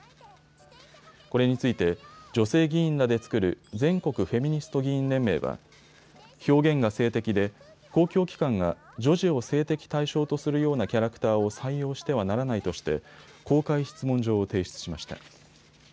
これについて女性議員らで作る全国フェミニスト議員連盟は表現が性的で公共機関が女児を性的対象とするようなキャラクターを採用してはならないとして公開質問状を提出しました。